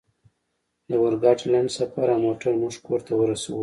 د اورګاډي لنډ سفر او موټر موږ کور ته ورسولو